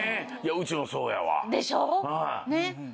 うちもそうやわ。でしょ？